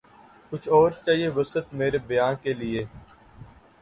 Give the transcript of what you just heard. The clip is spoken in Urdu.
کچھ اور چاہیے وسعت مرے بیاں کے لیے